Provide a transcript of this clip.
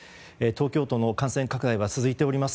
東京都の感染拡大は続いております。